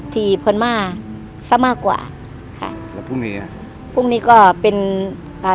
พม่าซะมากกว่าค่ะแล้วพรุ่งนี้อ่ะพรุ่งนี้ก็เป็นอ่า